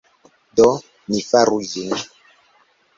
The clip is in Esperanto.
Do, ni faru ĝin